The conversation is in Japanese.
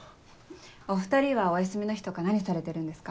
お２人はお休みの日とか何されてるんですか？